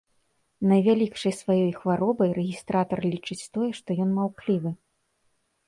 Найвялікшай сваёй хваробай рэгістратар лічыць тое, што ён маўклівы.